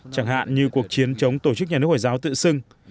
trong cuộc chiến chống tổ chức nhà nước hồi giáo tự xưng